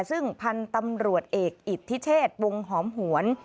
ซึ่งพันธุ์ตำรวจเอกอิทธิเชษวงหอมหวน